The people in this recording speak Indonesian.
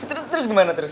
terus terus gimana terus